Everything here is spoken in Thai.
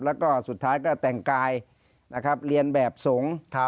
แล้วก็สุดท้ายก็แต่งกายนะครับเรียนแบบสงฆ์